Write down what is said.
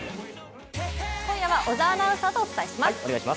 今夜は小沢アナウンサーとお伝えします。